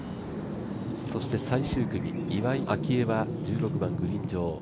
そして最終組、岩井明愛は１６番グリーン上。